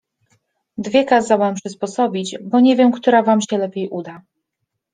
Dwie kazałem przysposobić, bo nie wiem, która wam się lepiej uda.